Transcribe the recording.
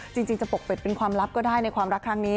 จริงจะปกปิดเป็นความลับก็ได้ในความรักครั้งนี้